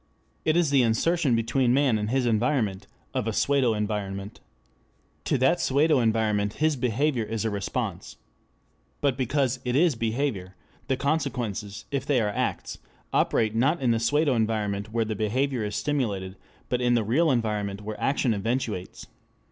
It is the insertion between man and his environment of a pseudo environment. To that pseudo environment his behavior is a response. But because it is behavior, the consequences, if they are acts, operate not in the pseudo environment where the behavior is stimulated, but in the real environment where action eventuates.